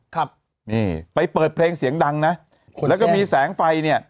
ครับนี่ไปเปิดเพลงเสียงดังนะแล้วก็มีแสงไฟเนี่ย